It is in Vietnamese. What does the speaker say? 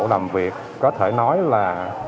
làm việc có thể nói là